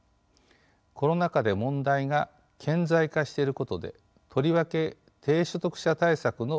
コロナ禍で問題が顕在化していることでとりわけ低所得者対策の充実化